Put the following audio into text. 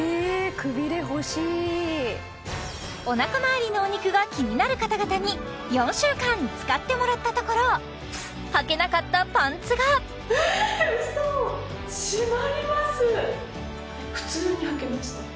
クビレ欲しいおなか周りのお肉が気になる方々に４週間使ってもらったところはけなかったパンツが普通にはけました